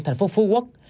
tp phú quốc